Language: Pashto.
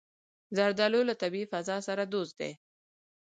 زردالو له طبیعي فضا سره دوست دی.